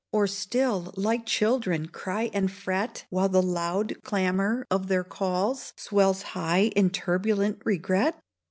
Or still, like children, cry and fret, While the loud clamor of their calls Swells high in turbulent regret